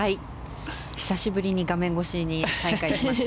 久しぶりに画面越しに再会しました。